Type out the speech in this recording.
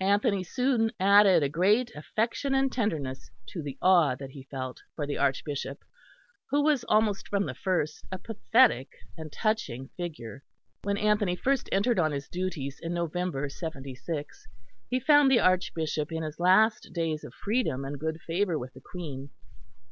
Anthony soon added a great affection and tenderness to the awe that he felt for the Archbishop, who was almost from the first a pathetic and touching figure. When Anthony first entered on his duties in November '76, he found the Archbishop in his last days of freedom and good favour with the Queen.